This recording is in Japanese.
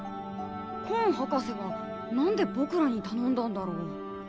コン博士が何で僕らに頼んだんだろう？